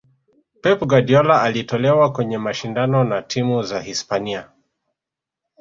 pep guardiola alitolewa kwenye mashindano na timu za hispania